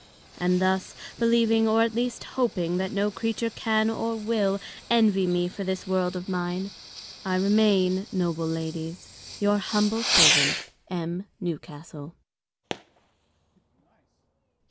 And thus, believing, or, at least, hoping, that no Creature can, or will, Envy me for this World of mine, I remain, Noble Ladies, Your Humble Servant, M. Newcastle.